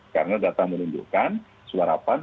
karena data menunjukkan suara pan